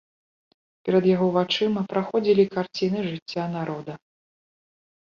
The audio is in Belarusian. Перад яго вачыма праходзілі карціны жыцця народа.